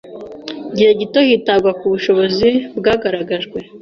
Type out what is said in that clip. gihe gito hitabwa ku bushobozi bwagaragajwe